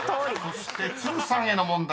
［そして都留さんへの問題］